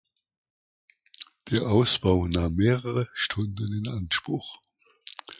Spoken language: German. Der Ausbau nahm mehrere Stunden in Anspruch.